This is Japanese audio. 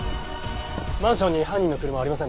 マンションに犯人の車はありませんでした。